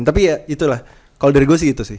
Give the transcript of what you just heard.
tapi ya itulah kalau dari gue sih gitu sih